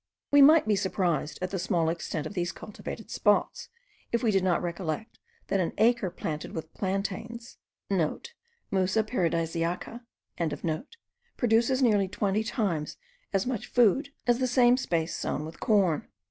We might be surprised at the small extent of these cultivated spots, if we did not recollect that an acre planted with plantains* (* Musa paradisiaca.) produces nearly twenty times as much food as the same space sown with corn.